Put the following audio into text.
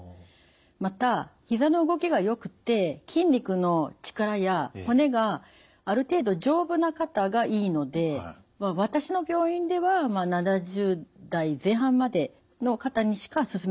またひざの動きがよくて筋肉の力や骨がある程度丈夫な方がいいので私の病院では７０代前半までの方にしか勧めていません。